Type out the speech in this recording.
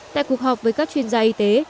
tại cuộc họp với các chuyên gia y tế